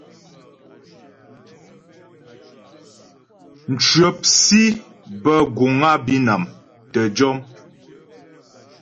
Mcwəp sǐ bə́ guŋ á Bǐnam tə́ jɔm.